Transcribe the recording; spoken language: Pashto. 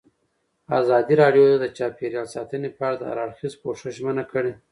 ازادي راډیو د چاپیریال ساتنه په اړه د هر اړخیز پوښښ ژمنه کړې.